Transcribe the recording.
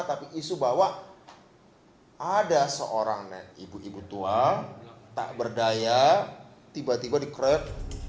tapi isu bahwa ada seorang ibu ibu tua tak berdaya tiba tiba dikret